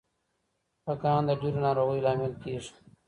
پګان د ډیرو ناروغیو لامل کیږي.